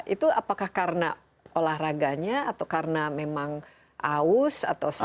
itu apakah karena olahraganya atau karena memang aus atau salah